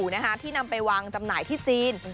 ที่นำไปวางจำหน่ายที่จีน